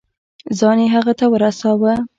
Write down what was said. ځان يې هغه ته ورساوه.